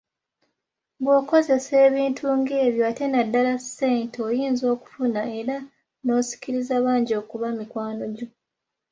Bw'okozesa ebintu ng'ebyo ate naddala ssente oyinza okufuna era n'osikiriza bangi okuba mikwano gyo.